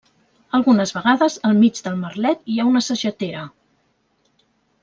Algunes vegades al mig del merlet hi ha una sagetera.